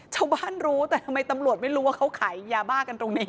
ชาวบ้านรู้แต่ทำไมตำรวจไม่รู้ว่าเขาขายยาบ้ากันตรงนี้